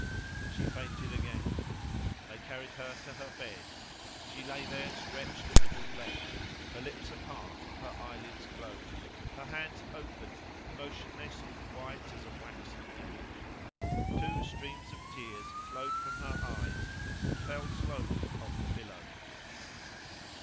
She fainted again. They carried her to her bed. She lay there stretched at full length, her lips apart, her eyelids closed, her hands open, motionless, and white as a waxen image. Two streams of tears flowed from her eyes and fell slowly upon the pillow.